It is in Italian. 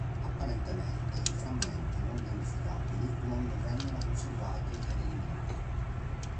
Apparentemente i frammenti non identificabili non vennero conservati ed eliminati.